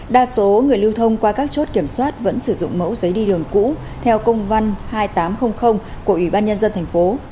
đa số người lưu thông qua các chốt kiểm soát vẫn sử dụng mẫu giấy đi đường cũ theo công văn hai nghìn tám trăm linh của ủy ban nhân dân thành phố